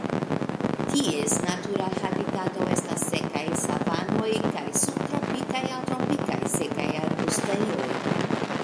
Ties natura habitato estas sekaj savanoj kaj subtropikaj aŭ tropikaj sekaj arbustejoj.